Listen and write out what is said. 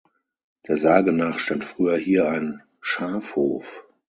Der Sage nach stand früher hier ein Schafhof.